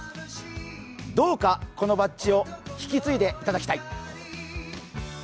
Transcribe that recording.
どうかこのバッチを引き継いでいただきたい。